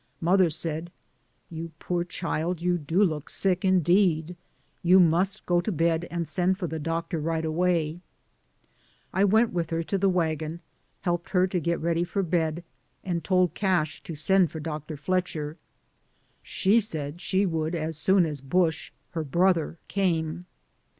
Mother said, "You poor child, you do look sick, indeed; you must go to bed and send for the doctor right away." I went with her to the wagon, helped her to get ready for bed, and told DAYS ON THE ROAD. 171 Cash to send for Dr. Fletcher. She said she would as soon as Bush — her brother — came.